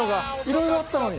色々あったのに。